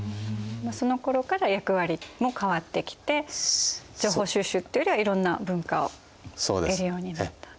そのころから役割も変わってきて情報収集っていうよりはいろんな文化を得るようになったんですね。